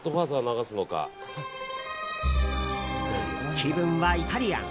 気分はイタリアン。